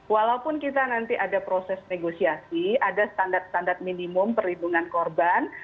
walaupun kita nanti ada proses negosiasi ada standar standar minimum perlindungan korban